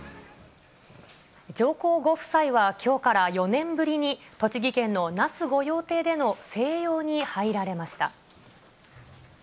上皇ご夫妻はきょうから４年ぶりに栃木県の那須御用邸での静養に入られました。